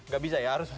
gak bisa ya harus